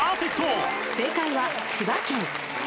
［正解は千葉県］